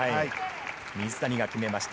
水谷が決めました